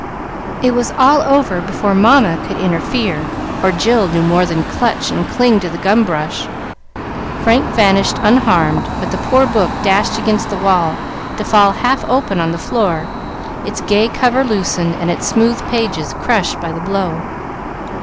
It was all over before Mamma could interfere, or Jill do more than clutch and cling to the gum brush. Frank vanished unharmed, but the poor book dashed against the wall to fall half open on the floor, its gay cover loosened, and its smooth leaves crushed by the blow.